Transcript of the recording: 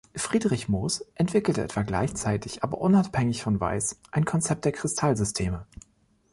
Friedrich Mohs entwickelte etwa gleichzeitig, aber unabhängig von Weiss, ein Konzept der Kristallsysteme.